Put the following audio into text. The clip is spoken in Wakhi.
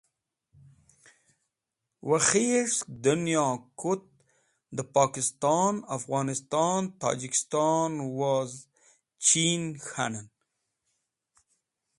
Wakhis̃h sẽk dẽnyoẽ kut dẽ Pokiston, Afghanisto, Tojikiston woz Chinẽ k̃hanẽn.